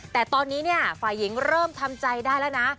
แต่ตอนนี้เนี่ยฝ่ายหญิงเริ่มทำใจได้แล้วนะ